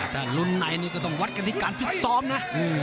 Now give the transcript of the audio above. ถ้าลุ้นนายนี่ก็ต้องวัดกันที่การฟิศซอมนะ